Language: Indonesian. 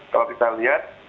kalau kita lihat